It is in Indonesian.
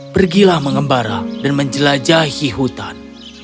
pergilah mengembara dan menjelajahi hutan